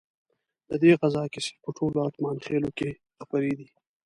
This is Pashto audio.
ددې غزا کیسې په ټولو اتمانخيلو کې خپرې دي.